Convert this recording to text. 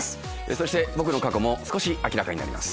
そして僕の過去も少し明らかになります。